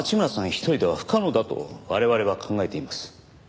一人では不可能だと我々は考えています。